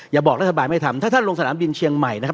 อย่าบอกรัฐบาลไม่ทำถ้าท่านลงสนามบินเชียงใหม่นะครับ